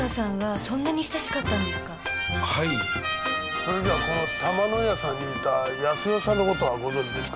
それじゃあこのたまのやさんにいた康代さんのことはご存じですか？